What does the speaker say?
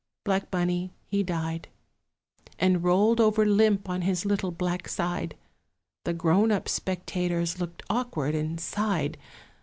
Black Bunny he died, And rolled over limp on his little black side; The grown up spectators looked awkward and sighed.